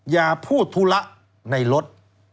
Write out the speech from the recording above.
อย่าพูดธุระในรถ